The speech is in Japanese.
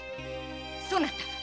そなた